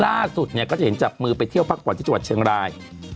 ล่าสุดเนี่ยก็จะเห็นจับมือไปเที่ยวพักผ่อนที่จังหวัดเชียงราย